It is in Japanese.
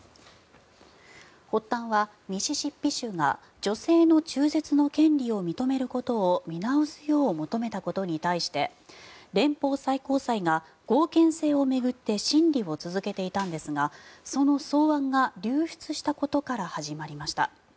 発端はミシシッピ州が女性の中絶の権利を認めることを見直すよう求めたことに対して連邦最高裁が合憲性を巡って審理を続けていたんですがその草案が流出したことから始まりました。